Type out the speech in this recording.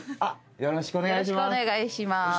よろしくお願いします。